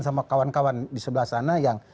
sama kawan kawan di sebelah sana yang